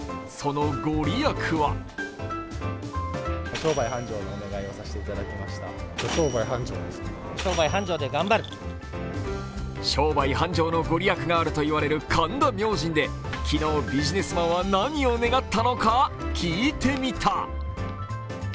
その御利益は商売繁盛の御利益があると言われる神田明神で昨日ビジネスマンは何を願ったのか聞いてみた。